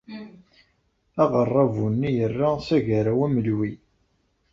Aɣerrabu-nni yerra s Agaraw Amelwi.